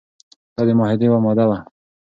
دا د معاهدې یوه ماده وه.